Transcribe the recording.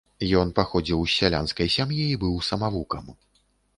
Ён паходзіў з сялянскай сям'і і быў самавукам.